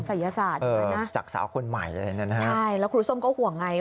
ศัยศาสตร์เหมือนนะครับใช่แล้วครูส้มก็ห่วงไง